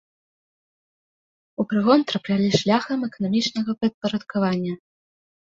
У прыгон траплялі шляхам эканамічнага падпарадкавання.